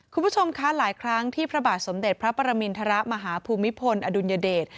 คุณผู้ชมคะหลายครั้งที่พระบาทสมเด็จพระปรมินทรมาฮภูมิพลอดุลยเดช